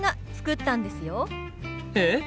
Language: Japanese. えっ？